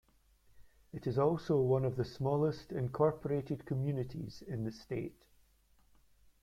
It is also one of the smallest incorporated communities in the state.